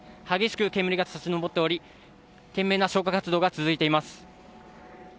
激しく煙が立ち上っており懸命の消火活動が続いています。